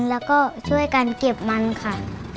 แล้วก็ช่วยกันเก็บมันค่ะ